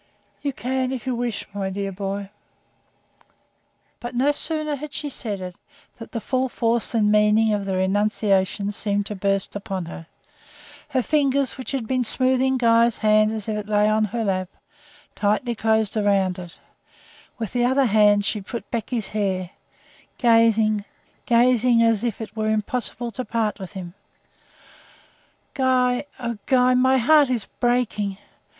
"You can, if you wish, my dear boy." But no sooner had she said it, than the full force and meaning of the renunciation seemed to burst upon her. Her fingers, which had been smoothing Guy's hand as it lay on her lap, tightly closed round it; with the other hand she put back his hair, gazing gazing, as if it were impossible to part with him. "Guy oh, Guy, my heart is breaking!